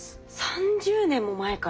３０年も前から。